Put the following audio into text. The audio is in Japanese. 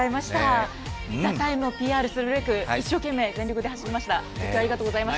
「ＴＨＥＴＩＭＥ，」をＰＲするべく一生懸命走りました。